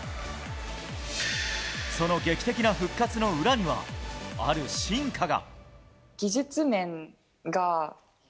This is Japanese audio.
その劇的な復活の裏にはある進化が。